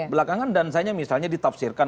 belakangan dansanya misalnya ditafsirkan